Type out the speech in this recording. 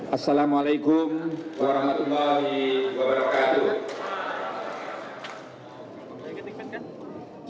assalamu'alaikum warahmatullahi wabarakatuh